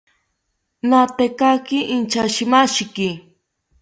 Natekaki inchashimashiki